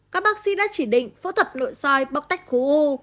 các bác sĩ đã chỉ định phẫu thuật nội soi bóc tách khối u